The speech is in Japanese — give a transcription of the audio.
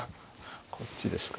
こっちですか。